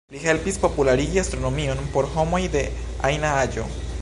Li helpis popularigi astronomion por homoj de ajna aĝo.